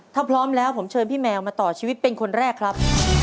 ถ้าพร้อมแล้วผมเชิญพี่แมวมาต่อชีวิตเป็นคนแรกครับ